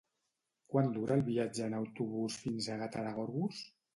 Quant dura el viatge en autobús fins a Gata de Gorgos?